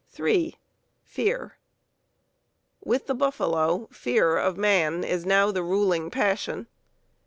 (3) Fear. With the buffalo, fear of man is now the ruling passion.